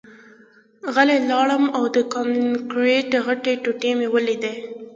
غلی لاړم او د کانکریټ غټې ټوټې مې ولیدې